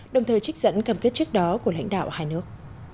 đồng thời trích dẫn cam kết trước đó của lãnh đạo hai nước